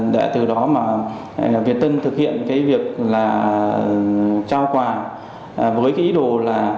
để từ đó mà việt tân thực hiện cái việc là trao quà với cái ý đồ là